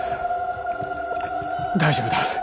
大丈夫だ。